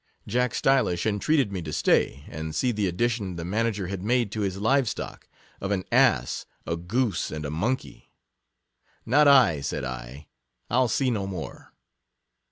Jack Stylish entreated me to stay, and see the addition the manager had made to his live stock, of an ass, a goose, and a monkey. Not I, said I, III see no more.